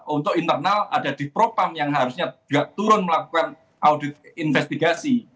untuk internal ada di propam yang harusnya juga turun melakukan audit investigasi